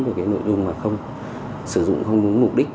về nội dung không sử dụng không đúng mục đích